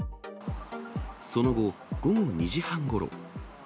その後、午後２時半ごろ。